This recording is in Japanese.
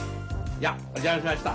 じゃお邪魔しました。